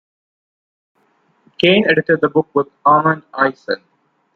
Kane edited the book with Armand Eisen.